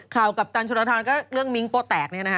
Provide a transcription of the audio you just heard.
ข่าวกัปตันชุดละทอนก็เรื่องมิ้งก์โป๊ะแตกเนี่ยนะฮะ